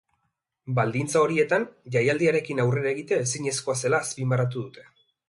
Baldintza horietan jaialdiarekin aurrera egitea ezinezkoa zela azpimarratu dute.